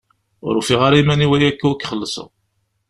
Ur ufiɣ ara iman-iw ayakka ur k-xellṣeɣ.